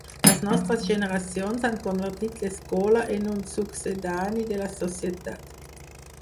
Les nostres generacions han convertit l'escola en un succedani de la societat.